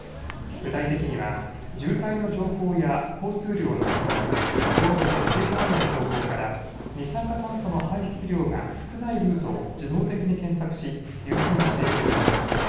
具体的には渋滞の情報や交通量の予測、道路の傾斜などの情報から二酸化炭素の排出量が少ないルートを自動的に検索し、優先して表示します。